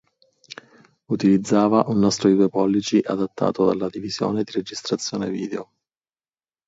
Utilizzava un nastro di due pollici adattato dalla divisione di registrazione video.